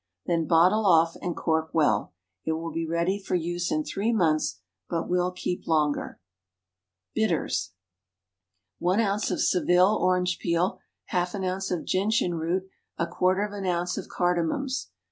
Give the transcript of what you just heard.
Then bottle off, and cork well. It will be ready for use in three months, but will keep longer. Bitters. One ounce of Seville orange peel, half an ounce of gentian root, a quarter of an ounce of cardamoms.